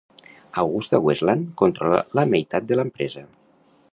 AgustaWestland controla la meitat de l'empresa.